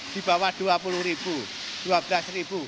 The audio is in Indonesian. di bawah rp dua puluh rp dua belas